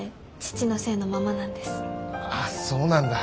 ああそうなんだ。